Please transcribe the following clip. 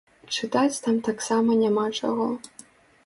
Чытаць там таксама няма чаго.